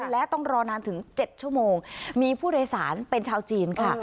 และต้องรอนานถึง๗ชั่วโมงมีผู้โดยสารเป็นชาวจีนค่ะ